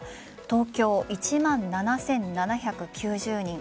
東京、１万７７９０人。